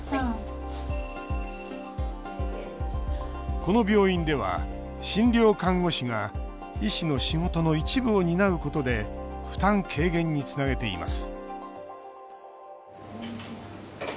この病院では診療看護師が医師の仕事の一部を担うことで負担軽減につなげています